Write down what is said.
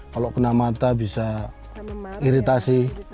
kalau kena mata bisa iritasi